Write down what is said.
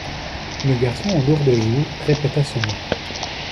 Le garçon aux lourdes joues répéta ce mot.